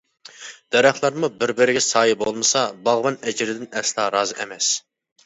دەرەخلەرمۇ بىر-بىرىگە سايە بولمىسا، باغۋەن ئەجرىدىن ئەسلا رازى ئەمەس.